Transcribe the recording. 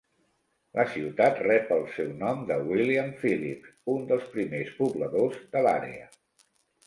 La ciutat rep el seu nom de William Phillips, un dels primers pobladors de l'àrea.